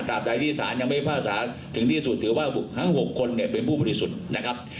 ใดที่สารยังไม่ภาษาถึงที่สุดถือว่าทั้ง๖คนเนี่ยเป็นผู้บริสุทธิ์นะครับ